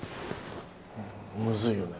むずいよね。